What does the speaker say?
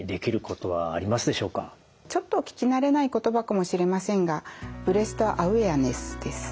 ちょっと聞き慣れない言葉かもしれませんがブレスト・アウェアネスです。